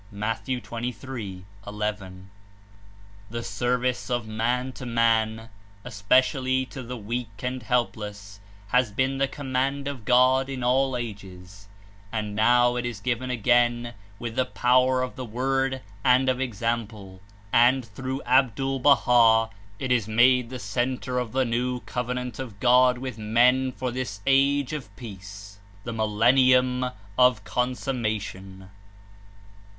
(Matt. 23.11.) The serv 152 ice of man to man, especially to the weak and help less, has been the command of God in all ages, and now It Is given again with the power of the Word and of Example, and through Abdul Baha' It Is made the Center of the New Covenant of God with men for this Age of Peace, the Millennium of Consummation.